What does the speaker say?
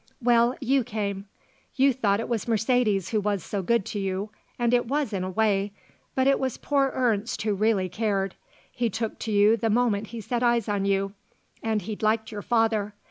"Well, you came. You thought it was Mercedes who was so good to you, and it was in a way. But it was poor Ernst who really cared. He took to you the moment he set eyes on you, and he'd liked your father.